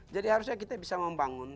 jadi harusnya kita bisa membangun